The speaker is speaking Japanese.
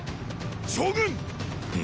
将軍！